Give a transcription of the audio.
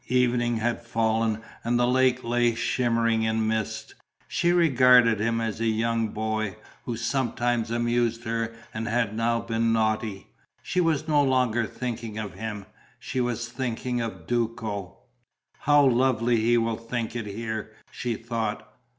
Evening had fallen and the lake lay shimmering in mist. She regarded him as a young boy, who sometimes amused her and had now been naughty. She was no longer thinking of him; she was thinking of Duco: "How lovely he will think it here!" she thought.